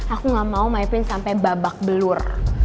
aku gak mau my prince sampe babak belur